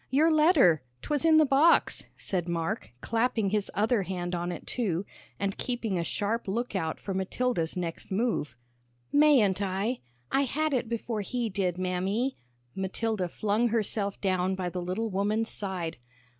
"Your letter. 'Twas in the box," said Mark, clapping his other hand on it, too, and keeping a sharp lookout for Matilda's next move. "Mayn't I? I had it before he did, Mammy." Matilda flung herself down by the little woman's side.